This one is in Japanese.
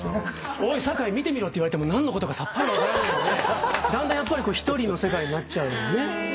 「おい酒井見てみろ」って言われても何のことかさっぱり分からないので段々やっぱり１人の世界になっちゃうのね。